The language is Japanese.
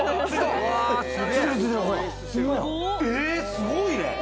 すごいね。